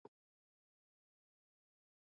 وحشي حیوانات د افغان ځوانانو لپاره دلچسپي لري.